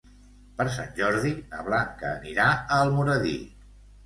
Per Sant Jordi na Blanca anirà a Almoradí.